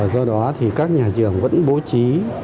do đó thì các nhà trường vẫn bố trí